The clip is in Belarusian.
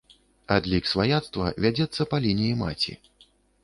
Адлік сваяцтва вядзецца па лініі маці.